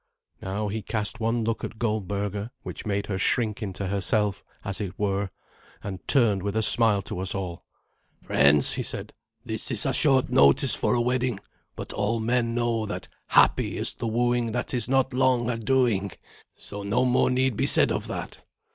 Now he cast one look at Goldberga, which made her shrink into herself, as it were, and turned with a smile to us all. "Friends," he said, "this is short notice for a wedding, but all men know that 'Happy is the wooing that is not long a doing,' so no more need be said of that.